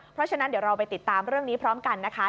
เพราะฉะนั้นเดี๋ยวเราไปติดตามเรื่องนี้พร้อมกันนะคะ